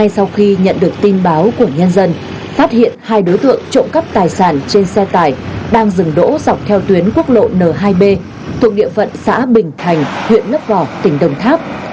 sau khi nhận được tin báo của nhân dân phát hiện hai đối tượng trộm cắp tài sản trên xe tải đang dừng đỗ dọc theo tuyến quốc lộ n hai b thuộc địa phận xã bình thành huyện lấp vò tỉnh đồng tháp